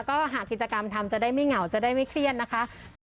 ก็หากกิจกรรมทำจะได้ไม่เหงาจะได้ไม่เครียดนะคะ